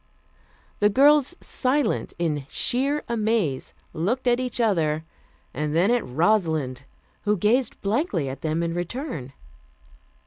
The girls, silent in sheer amaze, looked at each other and then at Rosalind, who gazed blankly at them in return.